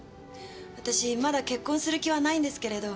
私まだ結婚する気はないんですけれど。